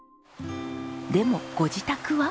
でもご自宅は。